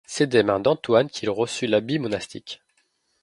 C'est des mains d'Antoine qu'il reçut l'habit monastique.